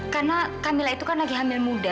karena camilla itu kan lagi hamil muda